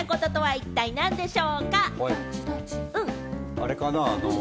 あれかな？